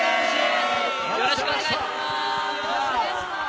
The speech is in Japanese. よろしくお願いします！